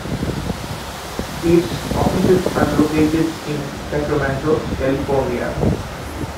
Its offices are located in Sacramento, California.